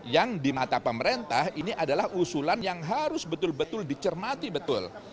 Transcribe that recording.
yang di mata pemerintah ini adalah usulan yang harus betul betul dicermati betul